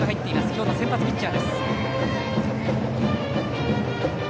今日の先発ピッチャーです。